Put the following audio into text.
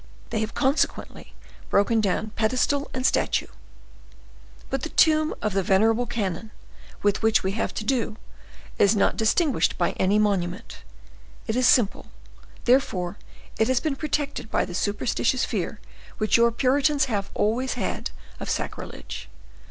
They have consequently broken down pedestal and statue: but the tomb of the venerable cannon, with which we have to do, is not distinguished by any monument. It is simple, therefore it has been protected by the superstitious fear which your Puritans have always had of sacrilege.